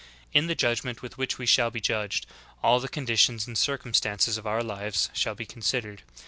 In the judgment with which we shall b»^ judged, all the conditions and circumstances of our lives shall be considered.